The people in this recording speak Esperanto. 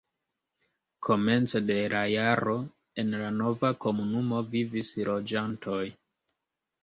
Komence de la jaro en la nova komunumo vivis loĝantoj.